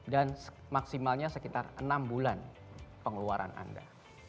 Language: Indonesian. dan maksimalnya sekitar enam bulan pengeluaran anda